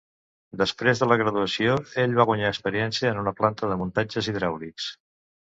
Després de la graduació ell va guanyar experiència en una planta de muntatges hidràulics.